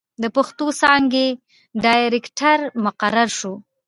َد پښتو څانګې ډائرکټر مقرر شو